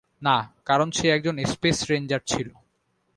না, কারণ, সে একজন স্পেস রেঞ্জার ছিলো।